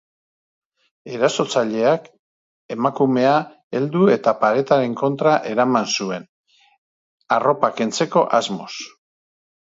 Erasotzaileak emakumea heldu eta paretaren kontra eraman zuen, arropa kentzeko asmoz.